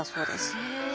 へえ。